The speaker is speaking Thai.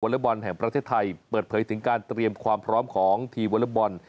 บอลแห่งประเทศไทยเปิดเผยถึงการเตรียมความพร้อมของทีมวอเล็กบอล